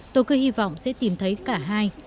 tôi cứ hy vọng sẽ tìm thấy cả hai